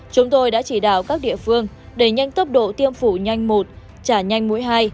chúng tôi đã chỉ đạo các địa phương đẩy nhanh tốc độ tiêm phủ nhanh một trả nhanh mũi hai